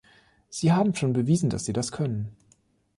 Sie haben schon bewiesen, dass Sie das können.